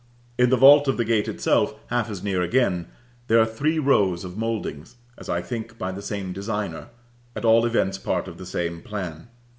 In the vault of the gate itself, half as near again, there are three rows of mouldings, as I think, by the same designer, at all events part of the same plan.